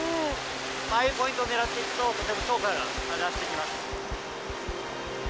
ああいうポイントを狙っていくととても釣果が上がっていきます。